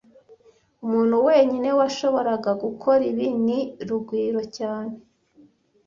Umuntu wenyine washoboraga gukora ibi ni Rugwiro cyane